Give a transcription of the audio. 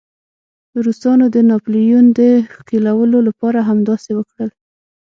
روسانو د ناپلیون د ښکېلولو لپاره همداسې وکړل.